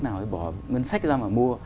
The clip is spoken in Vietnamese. nào bỏ ngân sách ra mà mua